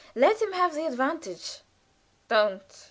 "Let him have the advantage." "Don't, don't!"